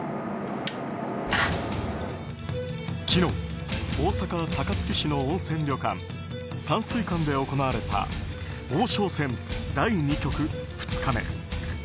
昨日、大阪・高槻市の温泉旅館山水館で行われた王将戦第２局２日目。